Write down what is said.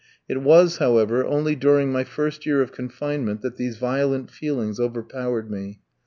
It was, however, only during my first year of confinement that these violent feelings overpowered me.